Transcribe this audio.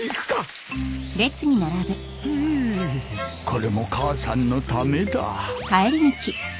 これも母さんのためだ